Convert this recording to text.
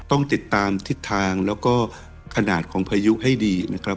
ต้องติดตามทิศทางแล้วก็ขนาดของพายุให้ดีนะครับ